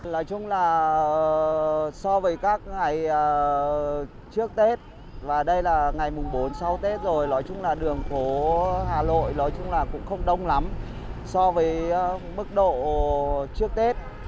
nói chung là so với các ngày trước tết và đây là ngày bốn sau tết rồi nói chung là đường phố hà nội cũng không đông lắm so với mức độ trước tết